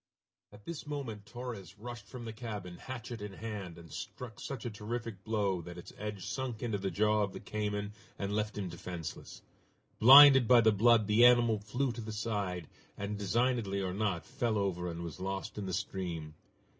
At this moment Torres rushed from the cabin, hatchet in hand, and struck such a terrific blow that its edge sunk into the jaw of the cayman and left him defenseless. Blinded by the blood, the animal flew to the side, and, designedly or not, fell over and was lost in the stream.